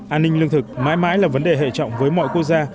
an ninh lương thực mãi mãi là vấn đề hệ trọng với mọi quốc gia